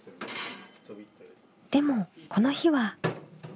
でもこの日は。